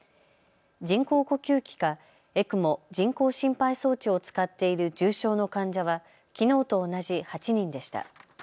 人工呼吸器かＥＣＭＯ・人工心肺装置を使っている重症の患者はきのうと同じ８人でした。